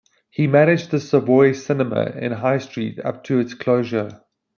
He managed the Savoy Cinema in High Street up to its closure.